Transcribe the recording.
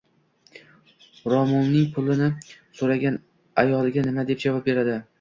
Ro`molning pulini so`ragan ayoliga nima deb javob beradi